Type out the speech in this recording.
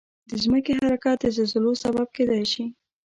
د ځمکې حرکت د زلزلو سبب کېدای شي.